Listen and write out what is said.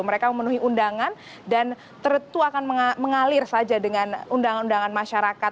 mereka memenuhi undangan dan tentu akan mengalir saja dengan undangan undangan masyarakat